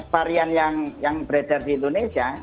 varian yang beredar di indonesia